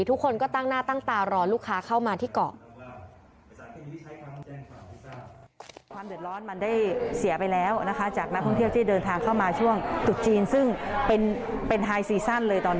ทุกคนก็ตั้งหน้าตั้งตารอลูกค้าเข้ามาที่เกาะ